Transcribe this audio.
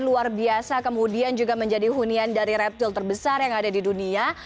luar biasa kemudian juga menjadi hunian dari reptil terbesar yang ada di dunia